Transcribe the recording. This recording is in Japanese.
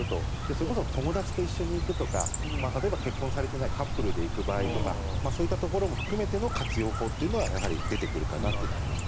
それこそ友達と一緒に行くとか例えば、結婚されていないカップルで行くとかそういったところも含めての活用法は出てくるかなと思います。